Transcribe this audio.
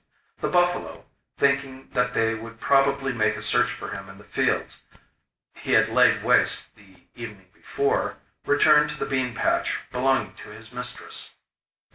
The buffalo, thinking that they would probably make a search for him in the fields he had laid waste the evening before, returned to the bean patch belonging to his mistress.